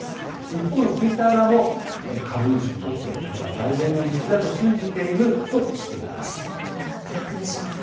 一方のツイッター側も株主にとってこれが最善の道だと信じているどうなっていくでしょうか。